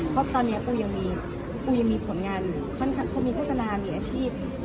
เพราะตอนนี้ปูยังมีผลงานมีพฤษณามีอาชีพ